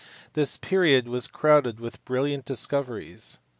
This period was crowded with brilliant discoveries.